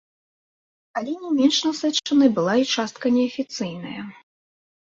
Але не менш насычанай была і частка неафіцыйная.